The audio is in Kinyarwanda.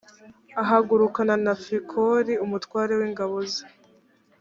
ahagurukana na fikoli umutware w ingabo ze